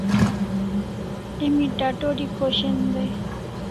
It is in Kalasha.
Emi tatori khoshen dai